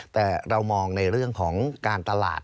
แต่เรามองในเรื่องของการตลาด